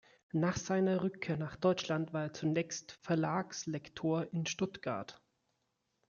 Nach seiner Rückkehr nach Deutschland war er zunächst Verlagslektor in Stuttgart.